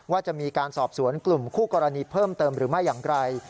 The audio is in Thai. ว่าจะมีการสอบสวนกลุ่มคู่กรณีเพิ่มเติมหรือไม่อย่างไร